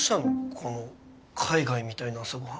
この海外みたいな朝ご飯。